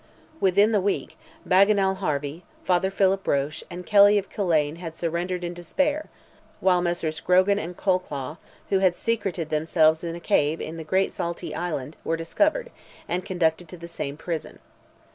Within the week, Bagenal Harvey, Father Philip Roche, and Kelly of Killane, had surrendered in despair, while Messrs. Grogan and Colclough, who had secreted themselves in a cave in the great Saltee Island, were discovered, and conducted to the same prison.